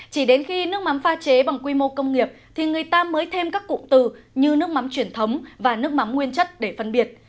chỉ đến khi nước mắm pha chế bằng quy mô công nghiệp thì người ta mới thêm các cụm từ như nước mắm truyền thống và nước mắm nguyên chất để phân biệt